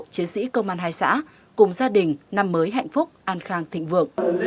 chiến sĩ công an hai xã cùng gia đình năm mới hạnh phúc an khang thịnh vượng